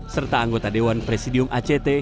serta anggota dewan presidium act